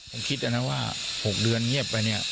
ผมคิดอันนั้นว่าหกเดือนเงียบไปเนี้ย